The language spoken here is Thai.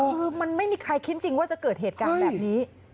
คือมันไม่มีใครคิดจริงว่าจะเกิดเหตุการณ์แบบนี้